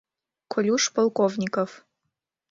Колюш Полковников.